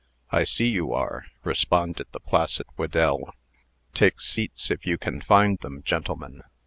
"I see you are," responded the placid Whedell. "Take seats, if you can find them, gentlemen."